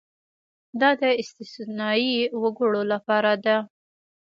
دا د استثنايي وګړو لپاره ده.